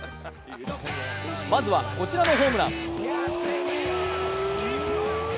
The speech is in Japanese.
まずはこちらのホームラン。